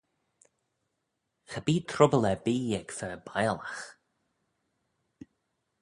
Cha bee trubbyl erbee ec fer biallagh.